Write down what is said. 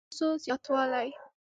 د نفوسو زیاتوالی.